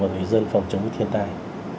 và người dân phòng chống thiên tai